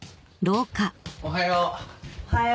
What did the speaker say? おはよう。